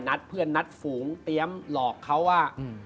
นัดเพื่อนนัดฝูงเตรียมหลอกเขาว่า